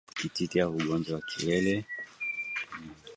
Kititi au Ugonjwa wa Kiwele